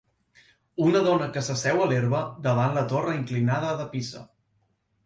Una dona que s'asseu a l'herba davant la torre inclinada de Pisa.